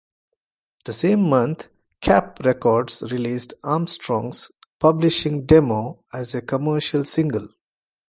The same month, Kapp Records released Armstrong's publishing demo as a commercial single.